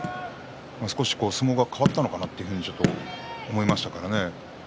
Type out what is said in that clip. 少し相撲が変わったのかなとちょっと思いましたからね。